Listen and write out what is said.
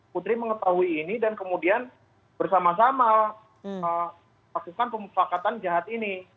putri mengetahui ini dan kemudian bersama sama lakukan pemufakatan jahat ini